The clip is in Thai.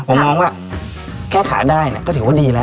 ผมมองว่าแค่ขายได้เนี่ยก็ถือว่าดีแล้ว